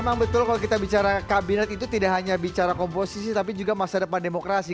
memang betul kalau kita bicara kabinet itu tidak hanya bicara komposisi tapi juga masa depan demokrasi